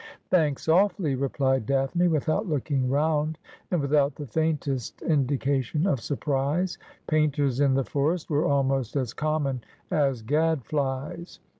' Thanks awfully,' replied Daphne without looking round, and without the faintest indication of surprise. Painters in the forest were almost as common as gadflies.